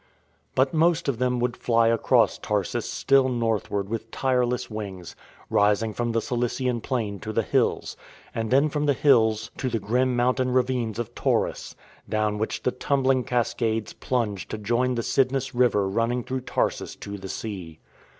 But most of them would fly across Tarsus still northward with tireless wings, rising from the Cilician plain to the hills, and then from the hills to the grim mountain ravines of Taurus, down which the tumbling cascades plunged to join the Cydnus river running through Tarsus to the sea.